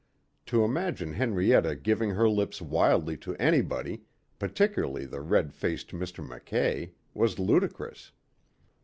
To imagine Henrietta giving her lips wildly to anybody, particularly the red faced Mr. Mackay, was ludicrous.